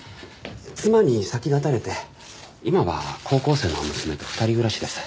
妻に先立たれて今は高校生の娘と２人暮らしです。